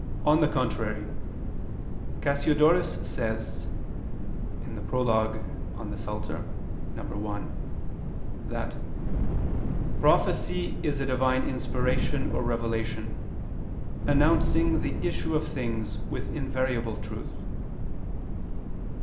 On the contrary, Cassiodorus says [*Prol. in Psalt. i] that "prophecy is a Divine inspiration or revelation, announcing the issue of things with invariable truth."